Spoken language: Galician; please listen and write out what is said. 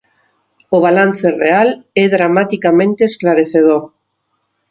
O balance real é dramaticamente esclarecedor.